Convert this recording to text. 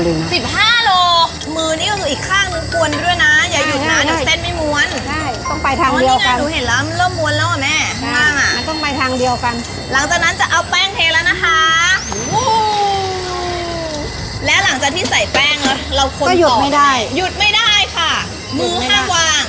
มือนี่ก็คืออีกข้างนึงควรด้วยนะอย่าหยุดหนาเดี๋ยวเส้นไม่ม้วน